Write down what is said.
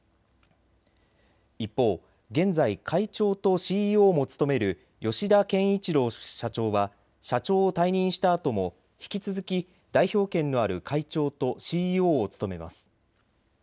一方、現在会長とＣＥＯも務める吉田憲一郎社長は社長を退任したあとも引き続き代表権のある会長とＣＥＯを務めます。